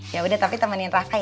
yaudah tapi temenin rafa ya